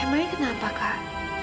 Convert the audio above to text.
emangnya kenapa kak